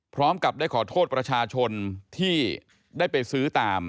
พร้อมกับได้ขอโทษประชาชนที่ได้ไปซื้อตาม